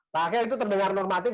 pak ahyar itu terdengar normatif